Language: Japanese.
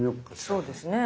そうですね。